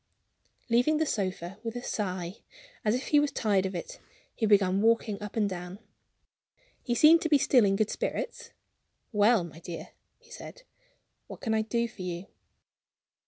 Leaving the sofa with a sigh, as if he was tired of it, he began walking up and down. He seemed to be still in good spirits. "Well, my dear," he said, "what can I do for you?"